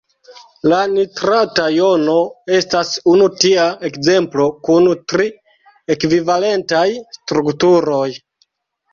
La nitrata jono estas unu tia ekzemplo kun tri ekvivalentaj strukturoj.